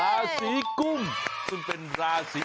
ราศิกุมซึ่งเป็นราศิ